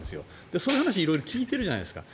そういう話を色々聞いているじゃないですか。